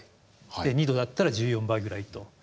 ２℃だったら１４倍ぐらいと。